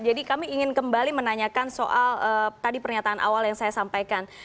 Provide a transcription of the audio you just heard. jadi kami ingin kembali menanyakan soal tadi pernyataan awal yang saya sampaikan